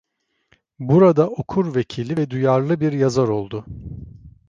Burada okur vekili ve duyarlı bir yazar oldu.